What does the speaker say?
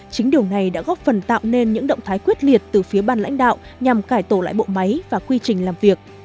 chính điều này đã góp phần tạo nên những động thái quyết liệt từ phía ban lãnh đạo nhằm cải tổ lại bộ máy và quy trình làm việc